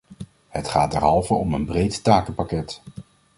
Het gaat derhalve om een breed takenpakket.